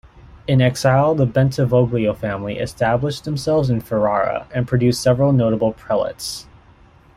In exile, the Bentivoglio family established themselves in Ferrara and produced several notable prelates.